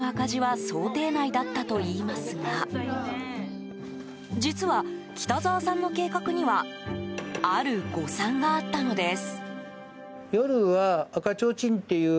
最初から駄菓子の赤字は想定内だったといいますが実は、北澤さんの計画にはある誤算があったのです。